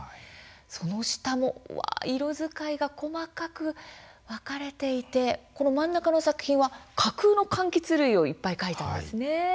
その下も、色使いが細かく分かれていてこの真ん中の作品は架空のかんきつ類をいっぱい描いたんですね。